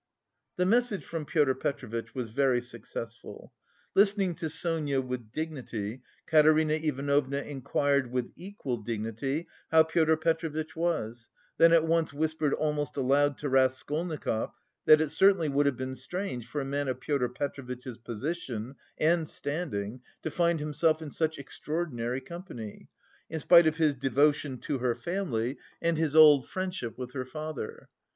The message from Pyotr Petrovitch was very successful. Listening to Sonia with dignity, Katerina Ivanovna inquired with equal dignity how Pyotr Petrovitch was, then at once whispered almost aloud to Raskolnikov that it certainly would have been strange for a man of Pyotr Petrovitch's position and standing to find himself in such "extraordinary company," in spite of his devotion to her family and his old friendship with her father.